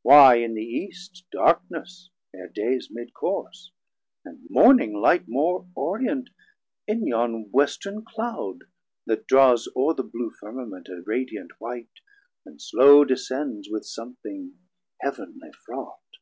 why in the East Darkness ere Dayes mid course, and Morning light More orient in yon Western Cloud that draws O're the blew Firmament a radiant white, And slow descends, with somthing heav'nly fraught.